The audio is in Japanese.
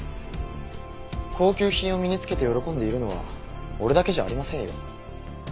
高級品を身につけて喜んでいるのは俺だけじゃありませんよ。